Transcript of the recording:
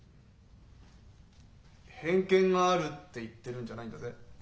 「偏見がある」って言ってるんじゃないんだぜ。